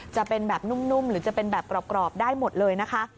จะเป็นแบบนุ่มหรือจะเป็นแบบกรอบได้หมดเลยนะคะ